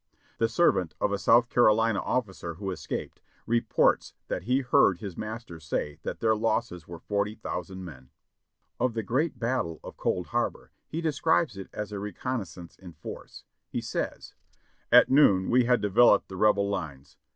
"The servant of a South Carolina officer who escaped, reports that he heard his master say that their losses were forty thousand men." (Reb. Records, Vol. 36, p. 78 79.) Of the great Battle of Cold Harbor he describes it as a recogni zance in force. He says : "At noon we had developed the Rebel lines.